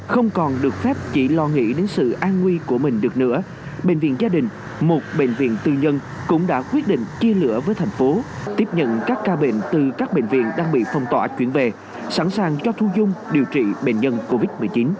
không còn được phép chỉ lo nghĩ đến sự an nguy của mình được nữa bệnh viện gia đình một bệnh viện tư nhân cũng đã quyết định chia lửa với thành phố tiếp nhận các ca bệnh từ các bệnh viện đang bị phong tỏa chuyển về sẵn sàng cho thu dung điều trị bệnh nhân covid một mươi chín